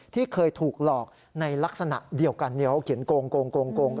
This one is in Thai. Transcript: ที่เคยถูกหลอกในลักษณะเดียวกันเขาเขียนโกง